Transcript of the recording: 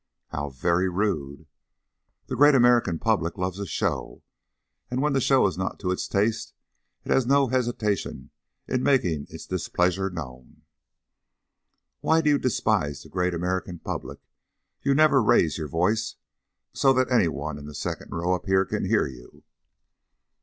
"How very rude!" "The great American public loves a show, and when the show is not to its taste it has no hesitation in making its displeasure known." "Why do you despise the great American public? You never raise your voice so that any one in the second row up here can hear you."